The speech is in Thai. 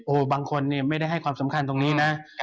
บางคนเนี่ยไม่ได้ให้ความสำคัญตรงนี้นะ